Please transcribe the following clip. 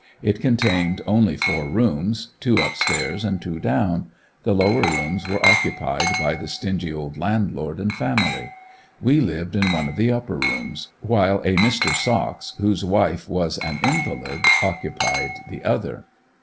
It contained only four rooms, two up stairs and two down; the lower rooms were occupied by the stingy old landlord and family; we lived in one of the upper rooms, while a Mr. Socks, whose wife was an invalid, occupied the other.